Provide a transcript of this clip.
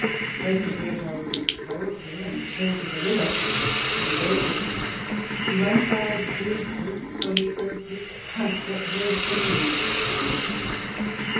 Joseph Leopold is cold here and chilled to the liver, but he bears it. He'won't buy the Jew's goods, for he says you can't get worse in England.